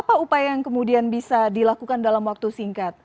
apa upaya yang kemudian bisa dilakukan dalam waktu singkat